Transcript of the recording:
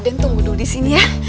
tunggu dulu di sini ya